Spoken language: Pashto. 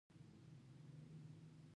دا یو ښکاره حقیقت وو چې اسناد ده غلا کړي ول.